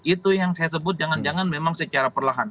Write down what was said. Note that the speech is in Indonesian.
itu yang saya sebut jangan jangan memang secara perlahan